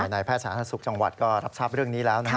ในแพทย์ศาสตร์ศุกร์จังหวัดก็รับทรัพย์เรื่องนี้แล้ว